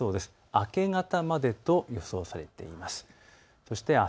明け方までと予想されています。